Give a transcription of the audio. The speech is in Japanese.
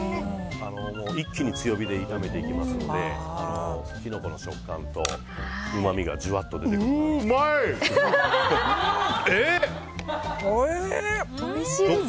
一気に強火で炒めていきますのでキノコの食感とうまみがじわっと出てきます。